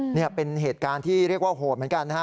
นี่เป็นเหตุการณ์ที่เรียกว่าโหดเหมือนกันนะฮะ